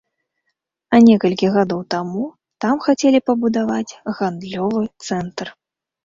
А некалькі гадоў таму там хацелі пабудаваць гандлёвы цэнтр.